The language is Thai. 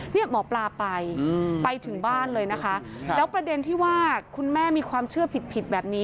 หมอปลาไปไปถึงบ้านเลยนะคะแล้วประเด็นที่ว่าคุณแม่มีความเชื่อผิดผิดแบบนี้